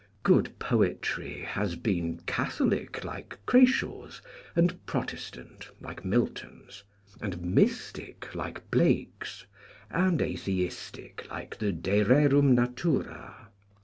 Good poetry has been Catholic like Crashaw's, and Protestant like Milton's, and mystic like Blake's, and atheistic like the " De Rerum Natura."